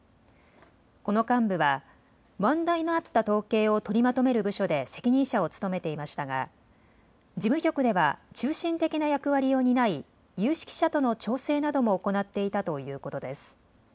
この幹部は問題のあった統計を取りまとめる部署で責任者を務めていましたが事務局では中心的な役割を担い有識者との調整なども行っていたということです。